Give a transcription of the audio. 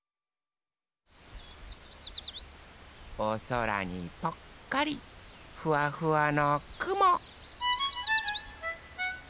おそらにぽっかりフワフワのくも。